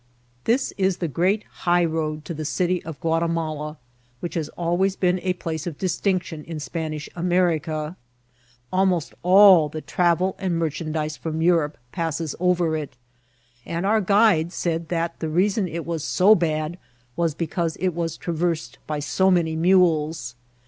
This is the great high road to the city of Guatimala, which has always been a place of distinction in Span ish America. Almost all the travel and merchandise from Europe passes over it ; and our guide said that the reason it was so bad was because it was traversed by so many mules.